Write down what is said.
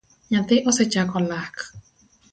Nyathi osechako lak